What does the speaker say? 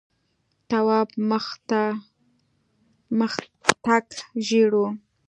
تواب مخ تک ژېړ و.